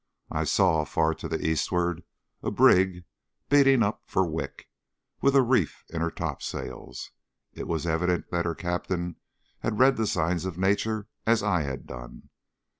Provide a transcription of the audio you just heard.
I saw, far to the eastward, a brig beating up for Wick, with a reef in her topsails. It was evident that her captain had read the signs of nature as I had done.